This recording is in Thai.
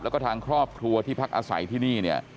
แล้วก็ทางครอบครัวที่พักอาศัยที่นี่เนี่ย